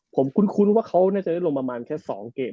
ผมคุ้นว่าเขาน่าจะได้ลงประมาณแค่๒เกม